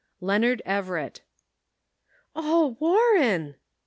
" LEONARD EVERETT." " Oh, Warren